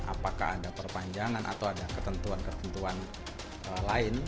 apakah ada perpanjangan atau ada ketentuan ketentuan lain